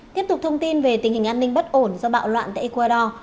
tiếp tục thông tin về tình hình an ninh bất ổn do bạo loạn tại ecuador